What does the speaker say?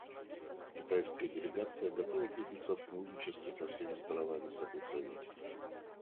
Китайская делегация готова крепить сотрудничество со всеми сторонами с этой целью.